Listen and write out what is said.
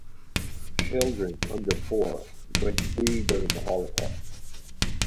Children under four went free during the Holocaust.